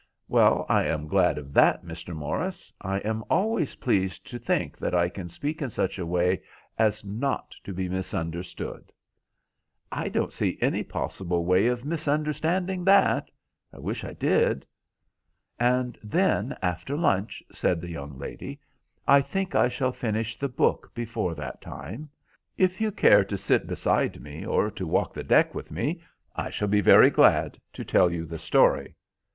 "Well, I am glad of that, Mr. Morris. I am always pleased to think that I can speak in such a way as not to be misunderstood." "I don't see any possible way of misunderstanding that. I wish I did." "And then, after lunch," said the young lady, "I think I shall finish the book before that time;—if you care to sit beside me or to walk the deck with me, I shall be very glad to tell you the story."